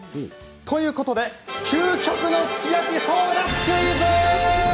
ということで「究極のすき焼き争奪クイズ」！